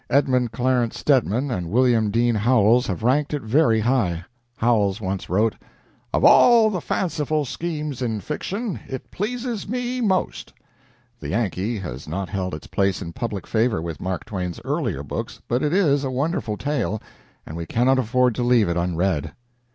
Edmund Clarence Stedman and William Dean Howells have ranked it very high. Howells once wrote: "Of all the fanciful schemes in fiction, it pleases me most." The "Yankee" has not held its place in public favor with Mark Twain's earlier books, but it is a wonderful tale, and we cannot afford to leave it unread.